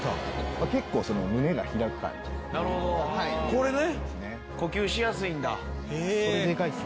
これね。